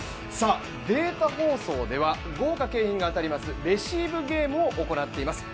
データ放送では豪華景品が当たりますレシーブゲームを行っています。